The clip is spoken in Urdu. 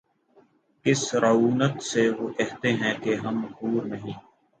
کس رعونت سے وہ کہتے ہیں کہ ’’ ہم حور نہیں ‘‘